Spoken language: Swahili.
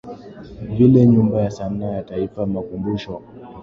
vile Nyumba ya sanaa ya Taifa Makumbusho